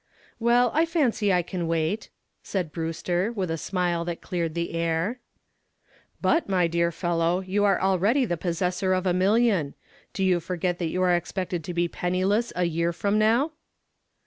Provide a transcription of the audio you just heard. "Well, I fancy I can wait," said Brewster with a smile that cleared the air. "But, my dear fellow, you are already the possessor of a million. Do you forget that you are expected to be penniless a year from now?"